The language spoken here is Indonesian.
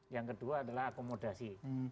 yang kedua adalah akomodasi